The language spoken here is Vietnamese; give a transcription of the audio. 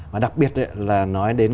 và đặc biệt là nói đến